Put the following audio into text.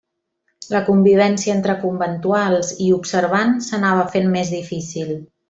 La convivència entre conventuals i observants s'anava fent més difícil.